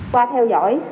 qua theo dõi